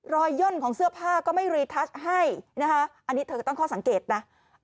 รอยย่นของเสื้อผ้าก็ไม่รีทัชให้อันนี้เธอก็ต้องข้อสังเกตนะ